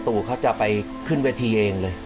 ตู่เขาจะไปขึ้นเวทีเองเลย